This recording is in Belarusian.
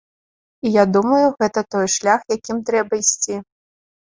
І я думаю, гэта той шлях, якім трэба ісці.